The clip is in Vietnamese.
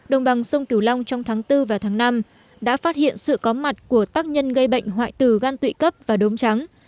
đồng bằng sông kiều long trong tháng bốn và tháng năm đã phát hiện sự có mặt của tác nhân gây bệnh hoại tử gan tụy cấp và đốm trắng